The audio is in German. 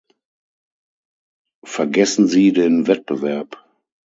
Vergessen Sie den Wettbewerb.